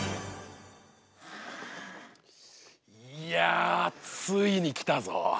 いやついに来たぞ。